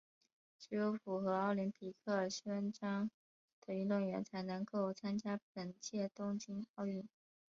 只有符合奥林匹克宪章的运动员才能够参加本届东京奥运。